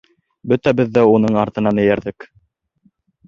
Бөтәбеҙ ҙә уның артынан эйәрҙек.